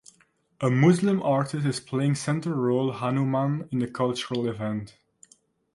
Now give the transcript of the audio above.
A Muslim artist is playing central role Hanuman in the cultural event.